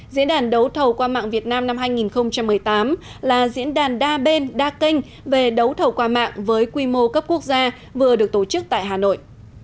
diễn đàn đấu thầu qua mạng việt nam năm hai nghìn một mươi tám là diễn đàn đa bên đa kênh về đấu thầu qua mạng với quy mô cấp quốc gia vừa được tổ chức tại hà nội